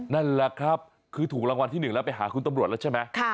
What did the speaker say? นั่นแหละครับคือถูกรางวัลที่๑แล้วไปหาคุณตำรวจแล้วใช่ไหม